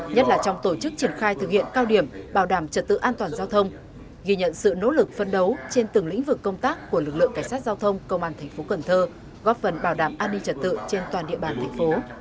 nhất là trong tổ chức triển khai thực hiện cao điểm bảo đảm trật tự an toàn giao thông ghi nhận sự nỗ lực phân đấu trên từng lĩnh vực công tác của lực lượng cảnh sát giao thông công an thành phố cần thơ góp phần bảo đảm an ninh trật tự trên toàn địa bàn thành phố